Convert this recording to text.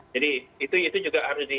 jadi itu juga harus